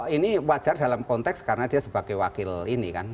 ini wajar dalam konteks karena dia sebagai wakil ini kan